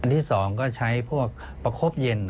อันที่สองก็ใช้พวกประคบเย็น